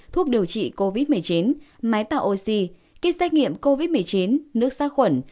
thuốc điều trị covid một mươi chín máy tạo oxy kit xét nghiệm covid một mươi chín nước sát khuẩn